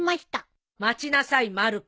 待ちなさいまる子。